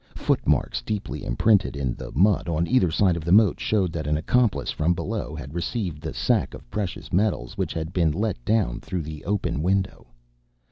Footmarks deeply imprinted in the mud on either side of the moat showed that an accomplice from below had received the sack of precious metals which had been let down through the open window.